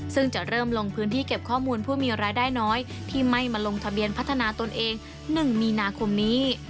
ซึ่งจะเริ่มลงพื้นที่เก็บข้อมูลผู้มีรายได้น้อยที่ไม่มาลงทะเบียนพัฒนาตนเอง๑มีนาคมนี้